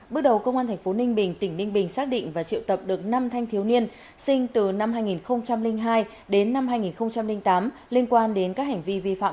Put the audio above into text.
bước đầu công an tp ninh bình tỉnh ninh bình xác định và triệu tập được năm thanh thiếu niên sinh từ năm hai nghìn hai đến năm hai nghìn tám